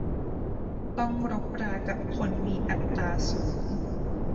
ต้องรบรากับคนมีอัตตาสูง